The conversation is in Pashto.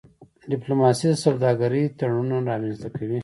ډيپلوماسي د سوداګری تړونونه رامنځته کوي.